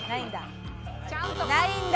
ないんだ。